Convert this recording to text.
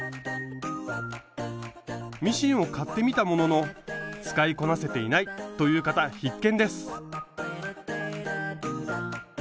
ミシンを買ってみたものの使いこなせていないという方必見です！